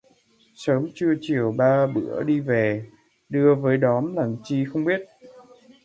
Sớm trưa chiều ba bữa đi về, đưa với đón làm chi không biết